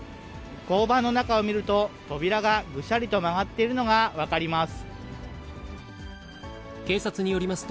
交番の中を見ると、扉がぐしゃりと曲がっているのが分かります。